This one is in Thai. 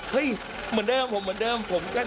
เห้ยเหมือนเดิมผมเหมือนเดิม